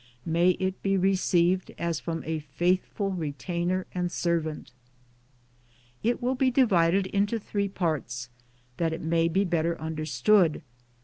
May it be received as from a faithful retainer and servant. It will be divided into three parts, that it may be better understood.